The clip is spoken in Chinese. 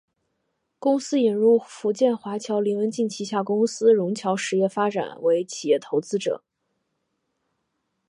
公司引入福建华侨林文镜旗下公司融侨实业发展为企业投资者。